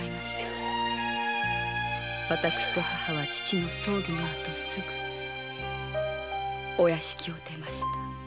私と母は父の葬儀の後すぐお屋敷を出ました。